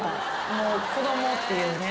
もう子供っていうね。